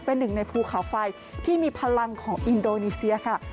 เป็นหนึ่งในภูเขาไฟที่มีพลังของอินโดนีเซียค่ะ